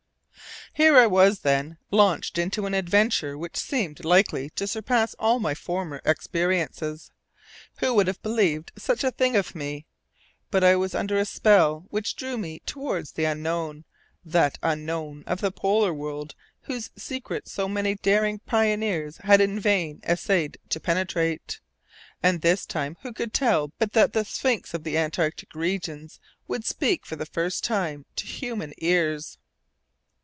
Here was I, then, launched into an adventure which seemed likely to surpass all my former experiences. Who would have believed such a thing of me. But I was under a spell which drew me towards the unknown, that unknown of the polar world whose secrets so many daring pioneers had in vain essayed to penetrate. And this time, who could tell but that the sphinx of the Antarctic regions would speak for the first time to human ears!